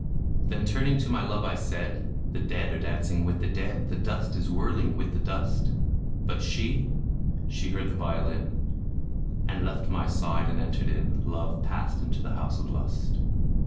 Then, turning to my love, I said, "The dead are dancing with the dead, The dust is whirling with the dust." But she she heard the violin, And left my side, and entered in: Love passed into the house of lust.